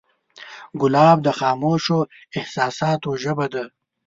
ګلاب د خاموشو احساساتو ژبه ده.